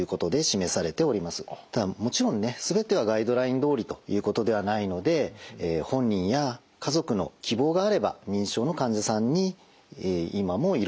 ただもちろんね全てはガイドラインどおりということではないので本人や家族の希望があれば認知症の患者さんに今も胃ろうを入れることはあります。